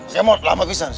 si kemot lama bintsan